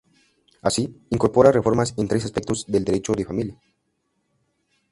Así, incorpora reformas en tres aspectos del Derecho de Familia.